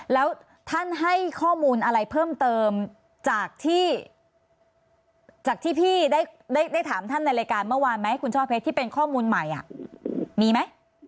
แล้วท่านให้ข้อมูลอะไรเพิ่มเติมจากที่จากที่พี่ได้ถามท่านในรายการเมื่อวานไหมคุณช่อเพชรที่เป็นข้อมูลใหม่มีไหม